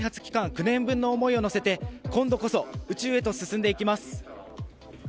９年分の思いを乗せて今度こそ宇宙へと進んでいきます！